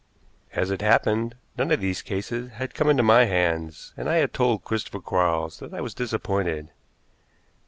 As it happened, none of these cases had come into my hands, and I had told Christopher Quarles that I was disappointed.